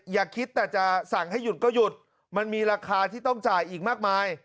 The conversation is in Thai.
อย่าคิดแต่จะสั่งให้หยุดก็หยุดมันมีราคาที่ต้องจ่ายอีกมากมาย